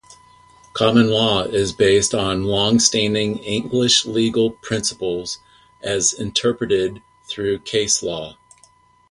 Common law is based on long-standing English legal principles, as interpreted through case law.